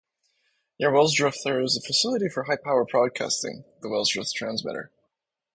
Near Wilsdruff there is a facility for high power broadcasting, the Wilsdruff transmitter.